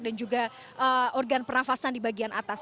dan juga organ pernafasan di bagian atas